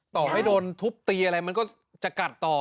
ต่อให้โดนทุบตีอะไรมันก็จะกัดต่อ